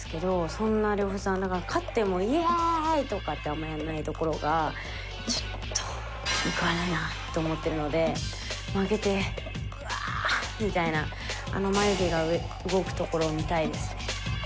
そんな呂布さんだから勝っても「イエーイ！」とかってあんまやらないところがちょっと気に食わないなって思ってるので負けて「うわあ」みたいなあの眉毛が動くところを見たいですね。